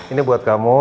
ini buat kamu